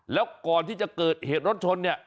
แล้วก่อนที่จะเกิดเหตุรถชนเนี่ย